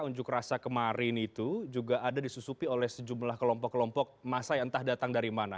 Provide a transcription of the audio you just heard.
unjuk rasa kemarin itu juga ada disusupi oleh sejumlah kelompok kelompok massa yang entah datang dari mana